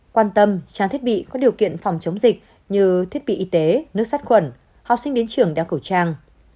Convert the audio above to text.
quan tâm trang thiết bị có điều kiện phòng chống dịch như thiết bị y tế nước sát khuẩn học sinh đến trường đeo khẩu trang